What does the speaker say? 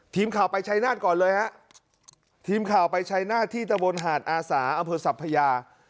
ทีมข่าวไปชัยนาฏก่อนเลยฮะทีมข่าวไปชัยนาธิตะบนหาดอาสาอำเภอสัพพยา